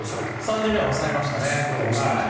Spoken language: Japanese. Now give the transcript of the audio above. ３巡目は抑えましたね。